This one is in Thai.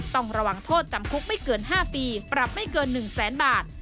ต้องระวังโทษจำคุกไม่เกิน๕ปีปรับไม่เกิน๑แสนบาท